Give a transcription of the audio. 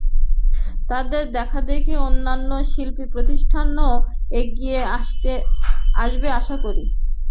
তাঁদের দেখাদেখি অন্যান্য শিল্পপ্রতিষ্ঠানও এগিয়ে আসবে আশা করি।